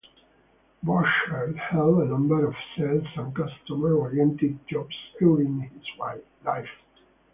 Boschert held a number of sales and customer oriented jobs early in his life.